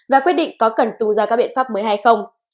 và quyết định có cần tung ra các biện pháp mới hay không